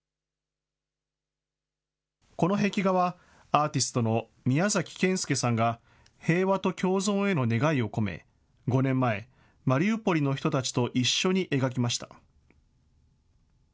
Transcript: この壁画は、アーティストのミヤザキケンスケさんが平和と共存への願いを込め、５年前、マリウポリの人たちと一緒に描きました。